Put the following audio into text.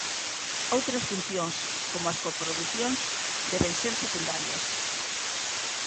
Outras funcións, como as coproducións, deben ser secundarias.